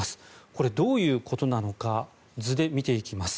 これ、どういうことなのか図で見ていきます。